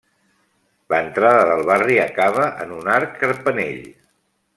L'entrada del barri acaba en un arc carpanell.